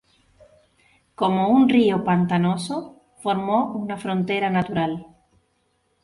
Como un río pantanoso, formó una frontera natural.